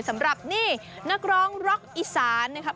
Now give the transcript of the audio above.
สำหรับนี่นักร้องร็อกอีสานนะครับ